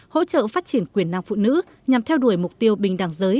hỗ trợ phát triển quyền năng phụ nữ nhằm theo đuổi mục tiêu bình đẳng giới